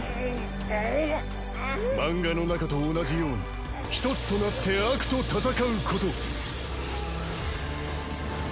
漫画の中と同じようにひとつとなって悪と戦うこと。